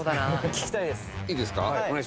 聞きたいです。